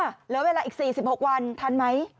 เหลือเวลาอีก๔๖วันทันไหม